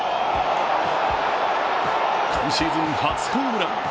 今シーズン初ホームラン。